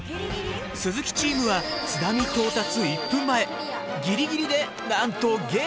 鈴木チームは津波到達１分前ギリギリでなんとゲームクリア！